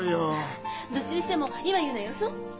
どっちにしても今言うのはよそう。